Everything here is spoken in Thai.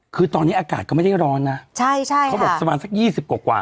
คือตอนนี้อากาศก็ไม่ได้ร้อนน่ะใช่ใช่ค่ะเขาบอกสำหรับสักยี่สิบกว่ากว่า